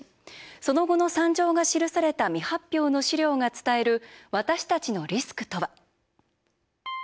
その後の惨状が記された未発表の資料が伝える私たちのリスクとは。